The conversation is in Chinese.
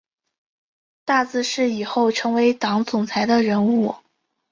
大字是以后成为党总裁的人物